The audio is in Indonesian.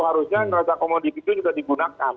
harusnya neraca komoditi itu juga digunakan